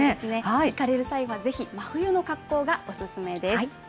行かれる際はぜひ真冬の格好がオススメです。